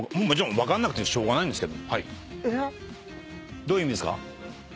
どういう意味ですか？